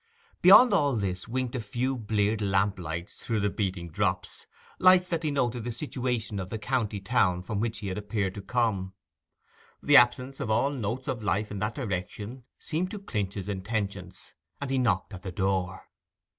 Beyond all this winked a few bleared lamplights through the beating drops—lights that denoted the situation of the county town from which he had appeared to come. The absence of all notes of life in that direction seemed to clinch his intentions, and he knocked at the door.